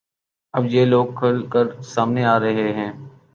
اب یہ لوگ کھل کر سامنے آ رہے ہیں